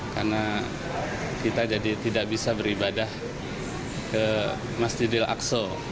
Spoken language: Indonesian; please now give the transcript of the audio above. karena kita jadi tidak bisa beribadah ke masjidil aqsa